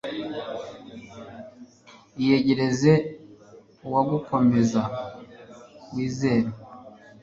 iyegereze uwagukomeza wizera